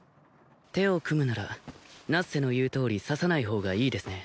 手を組むならナッセの言うとおり刺さない方がいいですね